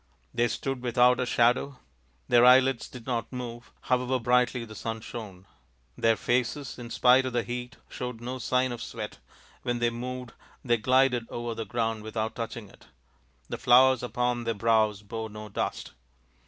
They stood without a shadow ; their eyelids did NALA THE GAMESTER 125 not move, however brightly the sun shone ; their faces, in spite of the heat, showed no sign of sweat ; when they moved, they glided over the ground without touching it ; the flowers upon their brows bore no dust.